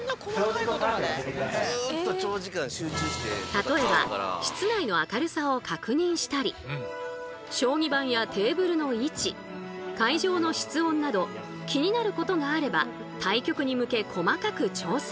例えば室内の明るさを確認したり将棋盤やテーブルの位置会場の室温など気になることがあれば対局に向け細かく調整。